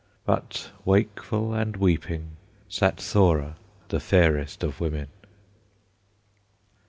But wakeful and weeping Sat Thora, the fairest of women.